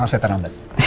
maaf saya terlambat